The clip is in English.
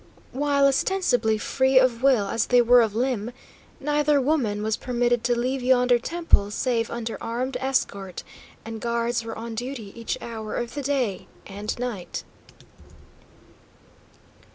While ostensibly free of will as they were of limb, neither woman was permitted to leave yonder temple, save under armed escort; and guards were on duty each hour of the day and night.